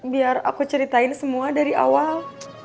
biar aku ceritain semua dari awal